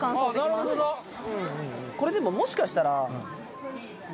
これでももしかしたら。